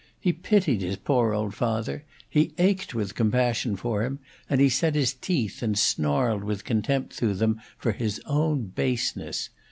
He pitied his poor old father; he ached with compassion for him; and he set his teeth and snarled with contempt through them for his own baseness.